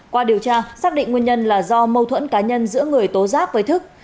qua điều tra xác định nguyên nhân là do mâu thuẫn cá nhân giữa người tố giác với thức